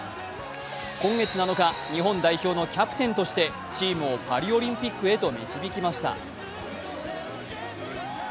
今月７日、日本代表のキャプテンとしてチームをパリオリンピックへと導きました。